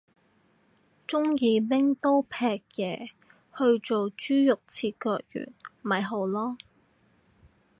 鍾意拎刀劈嘢去做豬肉切割員咪好囉